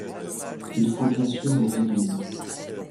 Il faut bien sûr les réduire.